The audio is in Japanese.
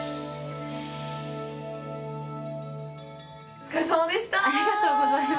お疲れさまでした。